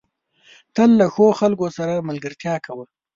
تل له ښو خلکو سره ملګرتيا کوه.